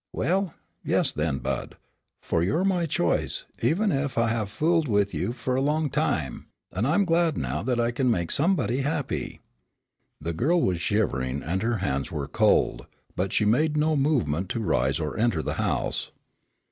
"Well, yes, then, Bud, for you're my choice, even ef I have fooled with you fur a long time; an' I'm glad now that I kin make somebody happy." The girl was shivering, and her hands were cold, but she made no movement to rise or enter the house.